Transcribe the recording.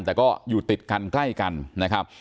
แต่ก็อยู่ติดกันใกล้กันนะครับ